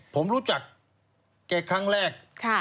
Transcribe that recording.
ผมรู้จักแกครั้งแรก